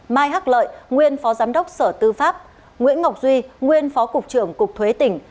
mai hắc lợi nguyên phó giám đốc sở tư pháp nguyễn ngọc duy nguyên phó cục trưởng cục thuế tỉnh